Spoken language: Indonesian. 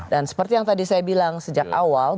dan seperti yang tadi saya bilang sejak awal